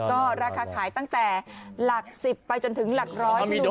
ก็ราคาขายตั้งแต่หลัก๑๐ไปจนถึงหลักร้อย